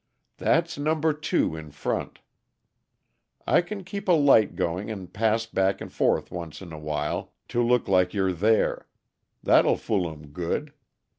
"That's number two, in front. I can keep a light going and pass back 'n' forth once in a while, to look like you're there. That'll fool 'em good.